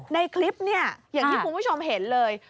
ในคลิปเนี่ยอย่างที่คุณผู้ชมเห็นเลย